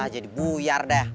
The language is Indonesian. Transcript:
jadi buyar dah